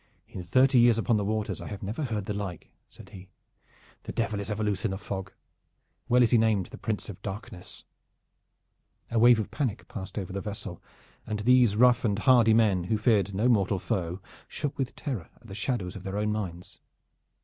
"In thirty years upon the waters I have never heard the like," said he. "The Devil is ever loose in a fog. Well is he named the Prince of Darkness." A wave of panic passed over the vessel, and these rough and hardy men who feared no mortal foe shook with terror at the shadows of their own minds.